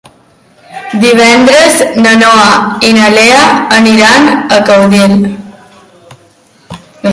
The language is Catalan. Divendres na Noa i na Lea aniran a Caudiel.